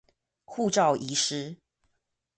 護照遺失